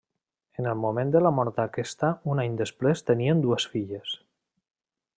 En el moment de la mort d'aquesta un any després tenien dues filles.